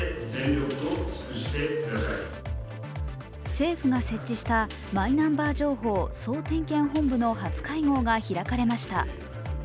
政府が設置したマイナンバー情報総点検本部の初会合が開かれました。